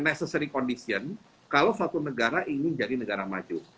necessary condition kalau suatu negara ingin menjadi negara maju